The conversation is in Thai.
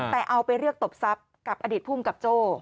แต่เอาไปเรียกตบทรัพย์กับอดีตภูมิกับโจ้